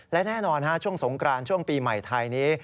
และแน่นอนช่วงสงกรานช่วงปีใหม่ไทยนี้